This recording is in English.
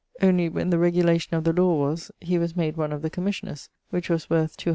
Only, when the regulation of the lawe was, he was made one of the commissioners, which was worth 200 _li.